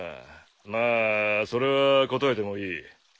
まあそれは答えてもいい。